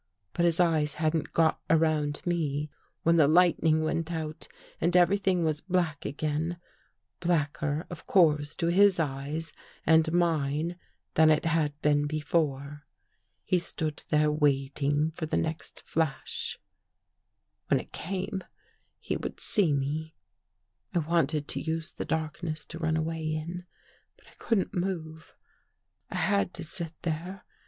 But his eyes hadn't got around to me, when the lightning went out and everything was black again — blacker of course to his eyes and mine than it had been before. He stood there waiting for the 308 THE WATCHERS AND THE WATCHED next flash. When it came, he would see me. I wanted to use the darkness to run away in, but I couldn't move. I had to sit there.